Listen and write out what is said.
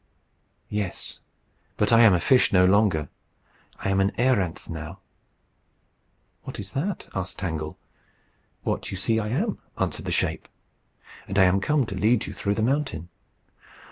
"Yes. But I am a fish no longer. I am an a�ranth now." "What is that?" asked Tangle. "What you see I am," answered the shape. "And I am come to lead you through the mountain."